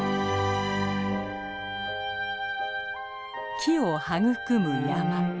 木を育む山。